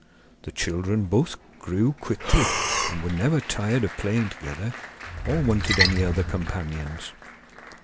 The children both grew quickly, and were never tired of playing together, or wanted any other companions.